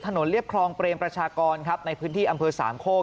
เรียบคลองเปรมประชากรครับในพื้นที่อำเภอสามโคก